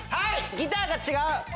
ギターが違う。